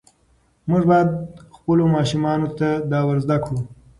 موږ باید خپلو ماشومانو ته دا ور زده کړو.